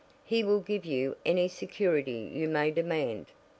He will give you any security you may demand."